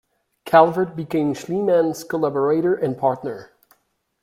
Calvert became Schliemann's collaborator and partner.